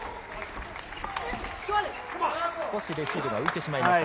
少しレシーブが浮いてしまいました。